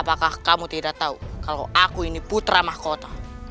apakah kamu tidak tahu kalau aku ini putra mahkota